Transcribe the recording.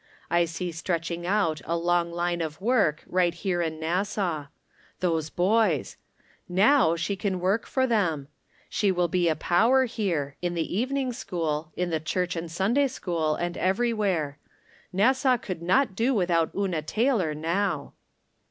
I see stretching out a long line of work, right here in Nassau. Those boys ! Noiv she can work for them ! She will be a power here — in the even ing school, in the Church and Sunday school, and everywhere. Nassau could not do without Una Taylor now